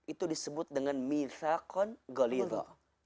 itu disebut dengan misakon golido